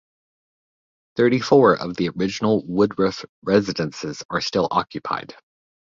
Thirty-four of the original Woodruff residences are still occupied.